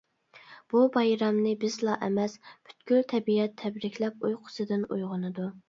بۇ بايرامنى بىزلا ئەمەس پۈتكۈل تەبىئەت تەبرىكلەپ ئۇيقۇسىدىن ئويغىنىدۇ.